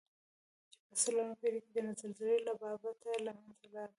چې په څلورمه پېړۍ کې د زلزلې له بابته له منځه لاړه.